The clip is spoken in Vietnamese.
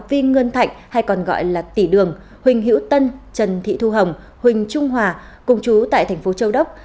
vinh ngân thạnh hay còn gọi là tỷ đường huỳnh hiễu tân trần thị thu hồng huỳnh trung hòa cùng chú tại tp châu đốc